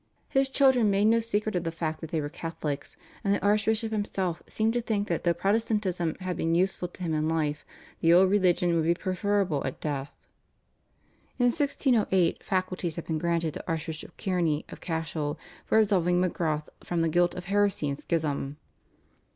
His children made no secret of the fact that they were Catholics, and the archbishop himself seemed to think that though Protestantism had been useful to him in life, the old religion would be preferable at death. In 1608 faculties had been granted to Archbishop Kearney of Cashel for absolving Magrath from the guilt of heresy and schism.